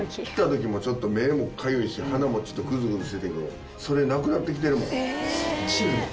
来たときもちょっと目もかゆいし、鼻もぐずぐずしててんけど、それ、なくなってきてるもん。